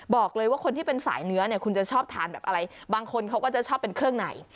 บอกเลยว่าคนที่เป็นสายเนื้อเนี่ยคุณจะชอบทานแบบอะไรบางคนเขาก็จะชอบเป็นเครื่องใน